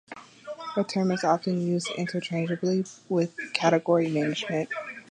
The term is often used interchangeably with Category Management.